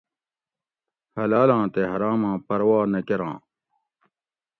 حلالاں تے حراماں پروا نہ کراں